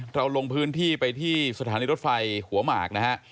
เราลงพื้นที่ไปที่สถานีรถไฟหัวหมากนะฮะ